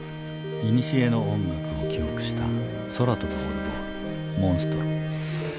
いにしえの音楽を記憶した空飛ぶオルゴール「モンストロ」。